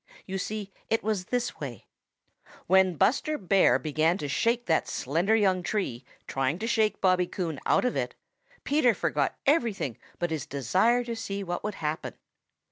You see, it was this way: When Buster Bear began to shake that slender young tree, trying to shake Bobby Coon out of it, Peter forgot everything but his desire to see what would happen.